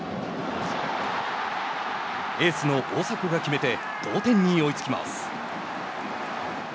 エースの大迫が決めて同点に追いつきます。